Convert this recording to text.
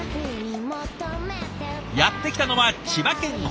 やって来たのは千葉県北部。